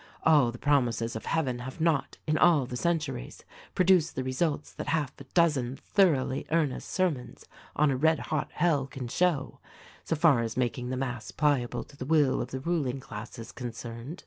All the promises of heaven have not, in all the centuries, produced the results that half a dozen thoroughly earnest sermons on a red hot hell can show — so far as making the mass pliable to the will of the riding class is concerned.